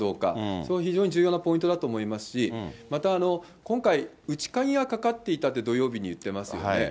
それは非常に重要なポイントだと思いますし、また今回、内鍵がかかっていたって、土曜日にいってますよね。